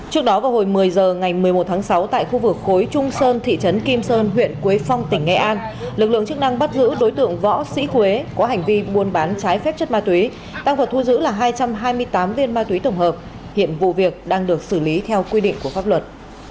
trước đó vào hồi một mươi h ngày một mươi một tháng sáu tại khu vực khối trung sơn thị trấn kim sơn huyện quế phong tỉnh nghệ an lực lượng chức năng bắt giữ đối tượng võ sĩ huế có hành vi buôn bán trái phép chất ma túy tăng vật thu giữ là hai trăm hai mươi tám viên ma túy tổng hợp hiện vụ việc đang được xử lý theo quy định của pháp luật